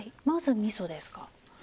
まず味噌ですか？